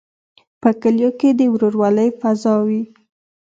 په کلیو کې د ورورولۍ فضا وي.